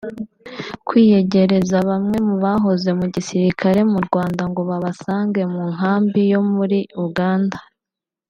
kwiyegereza bamwe mu bahoze mu gisirikare mu Rwanda ngo babasange mu nkambi yo muri Uganda